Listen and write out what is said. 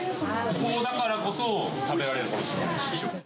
ここだからこそ、食べられる。